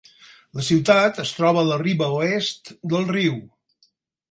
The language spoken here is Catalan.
La ciutat es troba a la riba oest del riu.